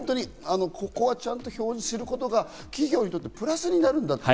ここはちゃんと表示することが企業にとってプラスになること。